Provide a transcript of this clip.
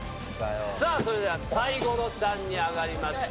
さぁそれでは最後の段に上がりました。